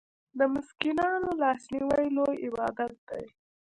د مسکینانو لاسنیوی لوی عبادت دی.